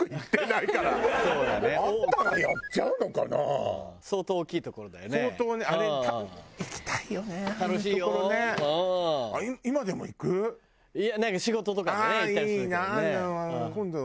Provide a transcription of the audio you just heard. いやなんか仕事とかでね行ったりするけどね。